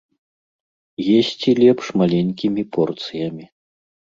Есці лепш маленькімі порцыямі.